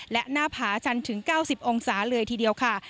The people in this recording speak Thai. และหน้าผาชันถึง๙๐องศาเลยทีเดียวค่ะ